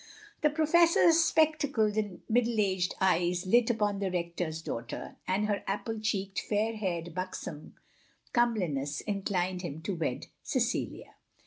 The professor's spectacled middle aged eyes lit upon the Rector's daughter, and her apple cheeked, fair haired buxom comeliness inclined him to wed Cecilia.